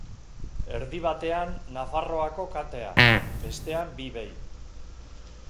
Erdi batean Nafarroako kateak, bestean bi behi.